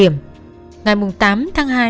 kinh nghiệm điều tra có trọng điểm